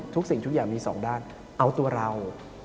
สิ่งทุกอย่างมีสองด้านเอาตัวเรา